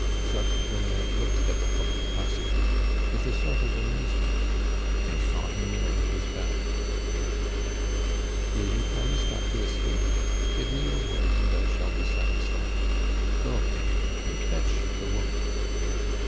Jacques Collin looked at the public prosecutor with a sort of amazement, and saw him ring his bell. "Will you promise not to escape? Give me your word, and I shall be satisfied. Go and fetch the woman."